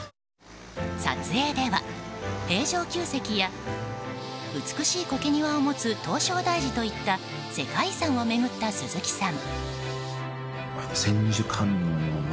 撮影では平城宮跡や美しい苔庭を持つ唐招提寺といった世界遺産を巡った鈴木さん。